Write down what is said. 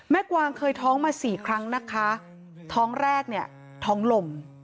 กวางเคยท้องมาสี่ครั้งนะคะท้องแรกเนี่ยท้องลม